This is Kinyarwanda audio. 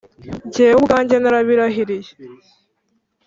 jyewe ubwanjye, narabirahiriye,